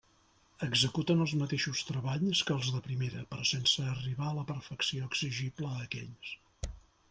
Executen els mateixos treballs que els de primera, però sense arribar a la perfecció exigible a aquells.